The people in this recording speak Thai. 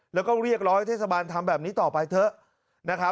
แล้วก็เรียกร้อยเทศบาลทำแบบนี้ต่อไปเถอะ